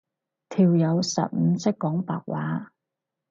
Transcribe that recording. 條友實唔識講白話